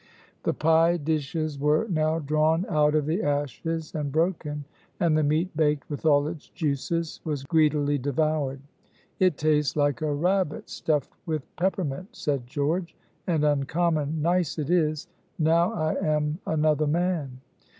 The pie dishes were now drawn out of the ashes and broken, and the meat baked with all its juices was greedily devoured. "It tastes like a rabbit stuffed with peppermint," said George, "and uncommon nice it is. Now I am another man."